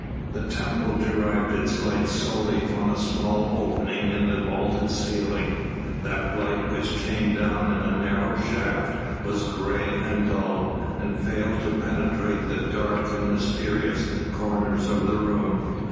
The temple derived its light solely from a small opening in the vaulted ceiling; that light which came down in a narrow shaft was grey and dull and failed to penetrate the dark and mysterious corners of the room.